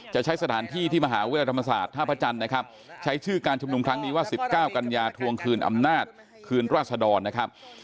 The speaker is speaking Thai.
จะใช้สถานที่ที่มหาวิทยาลัยธรรมศาสตร์ท่าพระจันทร์นะครับใช้ชื่อการชุมนุมครั้งนี้ว่า๑๙กันยาทวงคืนอำนาจคืนราศดรนะครับ